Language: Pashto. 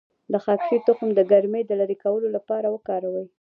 د خاکشیر تخم د ګرمۍ د لرې کولو لپاره وکاروئ